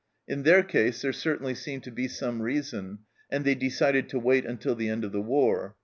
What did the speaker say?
In their case there certainly seemed to be some reason, and they decided to wait until the end of the War.